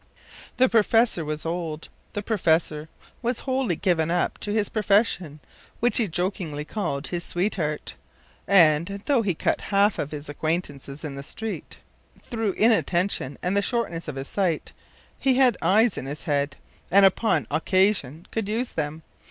The professor was old; the professor was wholly given up to his profession, which he jokingly called his sweetheart; and, though he cut half of his acquaintances in the street through inattention and the shortness of his sight, he had eyes in his head, and upon occasions could use them.